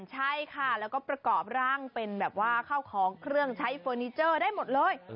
ใช่ค่ะแล้วก็ประกอบร่างเป็นแบบว่าข้าวของเครื่องใช้เฟอร์นิเจอร์ได้หมดเลย